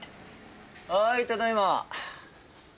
はいただいま。